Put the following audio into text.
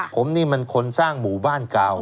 ผมนี่มันคนสร้างหมู่บ้านเก่า